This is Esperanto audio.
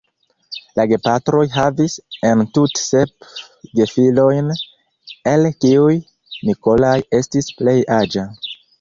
La gepatroj havis entute sep gefilojn, el kiuj "Nikolaj" estis plej aĝa.